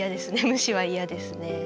無視は嫌ですね。